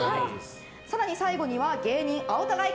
更に最後には芸人青田買い！